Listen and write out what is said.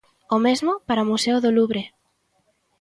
O mesmo para o museo do Louvre.